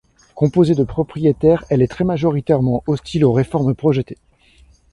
Composée de propriétaires, elle est très majoritairement hostile aux réformes projetées.